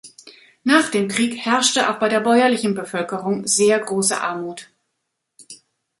Nach dem Krieg herrschte auch bei der bäuerlichen Bevölkerung sehr große Armut.